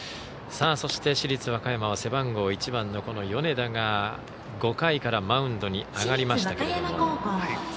そして、市立和歌山は背番号１番の米田が５回からマウンドに上がりましたけれども。